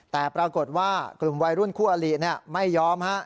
แต่ปรากฏว่ากลุ่มวัยรุ่นคู่อลิไม่ยอม